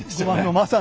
まさに。